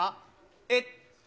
えっと？